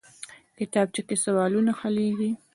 کتابچه کې سوالونه حلېږي